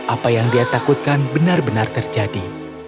apa yang dia takutkan benar benar terjadi